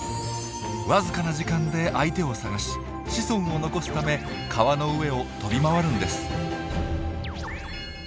わずかな時間で相手を探し子孫を残すため川の上を飛び回るんです。